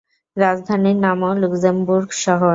রাজধানীর নামও লুক্সেমবুর্গ শহর।